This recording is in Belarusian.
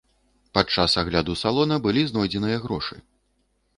Падчас агляду салона былі знойдзеныя грошы.